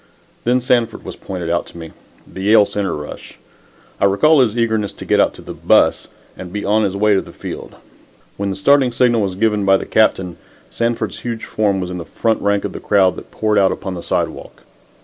Then Sanford was pointed out to me, the Yale center rush. I recall his eagerness to get out to the "bus" and to be on his way to the field. When the starting signal was given by the captain, Sanford's huge form was in the front rank of the crowd that poured out upon the sidewalk.